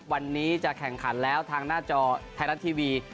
วันนี้จะแข่งขันแล้วทางหน้าจอไทยรัฐทีวี